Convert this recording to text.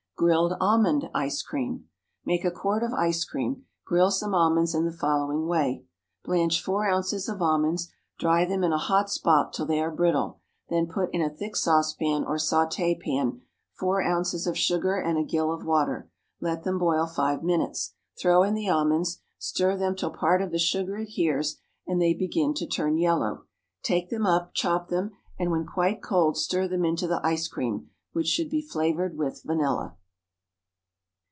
Grilled Almond Ice Cream. Make a quart of ice cream; grill some almonds in the following way: Blanch four ounces of almonds, dry them in a hot spot till they are brittle; then put in a thick saucepan or sauté pan four ounces of sugar and a gill of water; let them boil five minutes; throw in the almonds; stir them till part of the sugar adheres and they begin to turn yellow. Take them up, chop them, and when quite cold stir them into the ice cream, which should be flavored with vanilla.